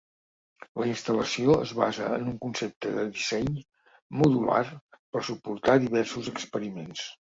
La instal·lació es basa en un concepte de disseny modular per suportar diversos experiments.